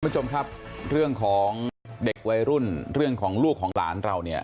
คุณผู้ชมครับเรื่องของเด็กวัยรุ่นเรื่องของลูกของหลานเราเนี่ย